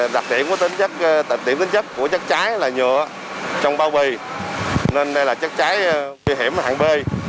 đặc điểm tính chất của chất cháy là nhựa trong bao bì nên đây là chất cháy nguy hiểm hạng b